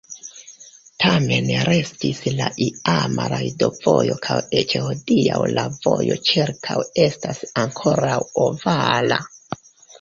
Tamen restis la iama rajdovojo kaj eĉ hodiaŭ la vojo ĉirkaŭe estas ankoraŭ ovala.